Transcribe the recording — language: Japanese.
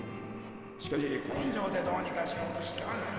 しかし根性でどうにかしようとしてはならん。